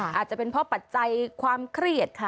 อาจจะเป็นเพราะปัจจัยความเครียดค่ะ